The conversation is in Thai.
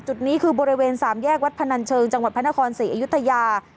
จุดนี้คือบริเวณสามแยกวัดพนันเชิงจังหวัดพระนครศรีอยุธยา